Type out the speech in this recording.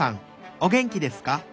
お元気ですか？